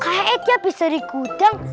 kaya itu bisa di gudang